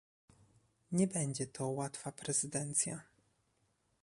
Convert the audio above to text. Nie będzie to łatwa prezydencja